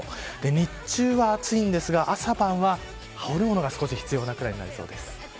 日中は暑いんですが、朝晩は羽織る物が少し必要なくらいになりそうです。